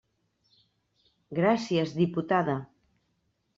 Gràcies, diputada.